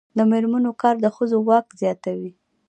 د میرمنو کار د ښځو واک زیاتوي.